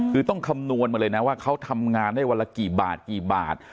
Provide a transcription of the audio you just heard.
คือต้องคำนวณมาเลยนะว่าเขาทำงานได้วันละกี่บาทกี่บาท